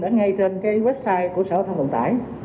ở ngay trên cái website của sở thông đồng tải